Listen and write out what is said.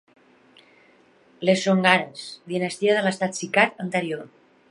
Les Songaras, dinastia de l'estat Sikar anterior.